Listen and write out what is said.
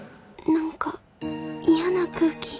何か嫌な空気